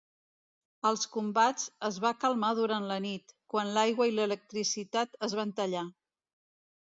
Els combats es va calmar durant la nit, quan l'aigua i l'electricitat es van tallar.